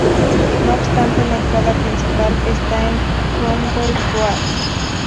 No obstante, la entrada principal está en Cromwell Road.